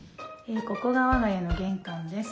ここが我が家の玄関です。